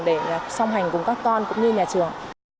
để song hành cùng các con cũng như nhà trường